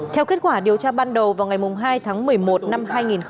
theo kết quả điều tra ban đầu vào ngày hai tháng một mươi một năm hai nghìn hai mươi